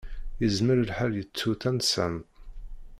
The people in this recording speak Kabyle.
Yezmer lḥal yettu tansa-m.